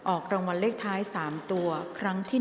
ออกรางวัลเลขท้าย๓ตัวครั้งที่๑